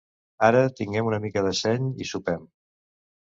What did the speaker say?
Ara, tinguem una mica de seny i sopem.